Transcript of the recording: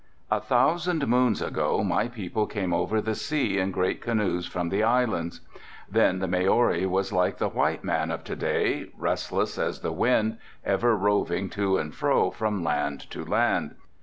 "A thousand moons ago my people came over the sea in great canoes from the islands. Then the Maori was like the white man of to day, restless as the wind, ever roving to and fro from land to land.